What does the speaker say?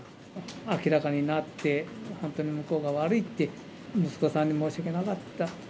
明らかになって、本当に向こうが悪いって、息子さんに申し訳なかった。